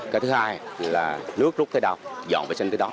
cái thứ hai là nước rút thế nào dọn vệ sinh thế đó